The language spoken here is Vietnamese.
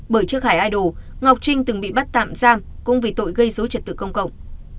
bởi trước hải idol ngọc trinh từng bị bắt tạm giam cũng vì tội gây dối trật tự công cộng